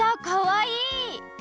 かわいい！